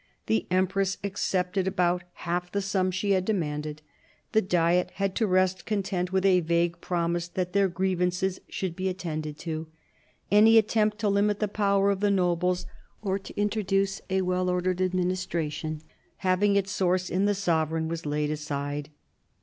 The empress accepted about •half the sum she had demanded, the Diet had to rest contented with a vague promise that their grievances should be attended to. Any attempt to limit the power of the nobles, or to introduce a well ordered administra tion having its source in the sovereign, was laid aside.